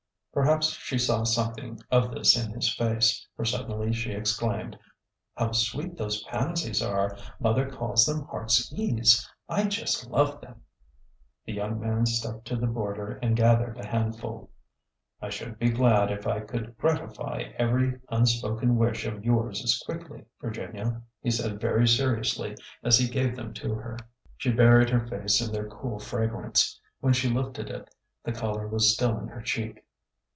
Perhaps she saw something of this in his face, for sud denly she exclaimed, " How sweet those pansies are 1 Mother calls them heart's ease. I just love them!" The young man stepped to the border and gathered a handful. " I should be glad if I could gratify every unspoken wish of yours as quickly, Virginia," he said very seriously as he gave them to her. 8 ORDER NO. 11 She buried her face in their cool fragrance. When she lifted it the color was still in her cheek.